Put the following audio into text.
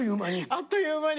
あっという間に。